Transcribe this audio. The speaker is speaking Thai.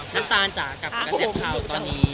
น้ำตาลจากกำแกร่งข่าวตอนนี้